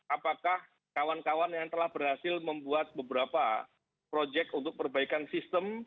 apakah kawan kawan yang telah berhasil membuat beberapa proyek untuk perbaikan sistem